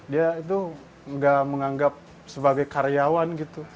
dia itu nggak menganggap sebagai karyawan gitu